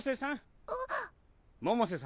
百瀬さん。